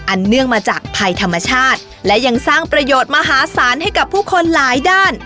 เนื่องมาจากภัยธรรมชาติและยังสร้างประโยชน์มหาศาลให้กับผู้คนหลายด้าน